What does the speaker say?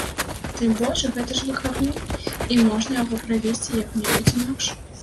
Тым больш, гэта ж выхадны, і можна яго правесці як-небудзь інакш.